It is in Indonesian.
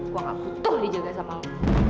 gue gak butuh dijaga sama lo